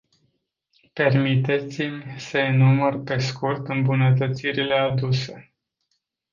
Permiteți-mi să enumăr pe scurt îmbunătățirile aduse.